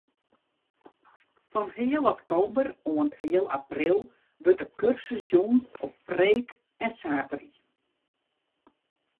Fan heal oktober oant heal april wurdt de kursus jûn op freed en saterdei.